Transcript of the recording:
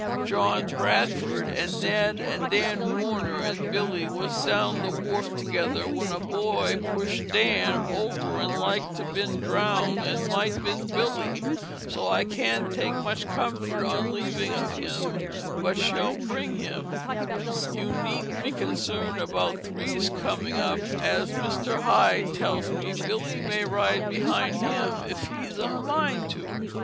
Johnny Bradford & Ned & Dan Warner and Billey was down the wharfe together when a boy push'd Dan over & lik'd to bin drown'd & might bin Billey so I can't take much comfort on leaving of him but shall bring him, you needn't be Concern'd about threes coming up as Mr. Hide tells me Billey may ride behind him if he's a mind to."